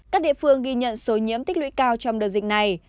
các địa phương ghi nhận số nhiễm tích lũy cao trong đợt dịch này